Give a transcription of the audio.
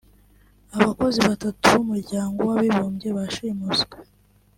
abakozi batatu b’Umuryango w’Abibumbye bashimuswe